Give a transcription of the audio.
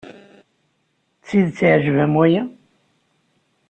D tidet iɛjeb-am waya?